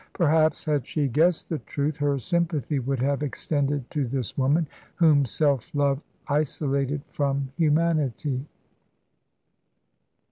Perhaps, had she guessed the truth, her sympathy would have extended to this woman, whom self love isolated from humanity.